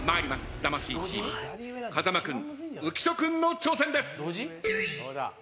魂チーム風間君浮所君の挑戦です。